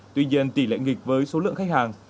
tuy nhiên tỷ lệ nghịch với số lượng khách hàng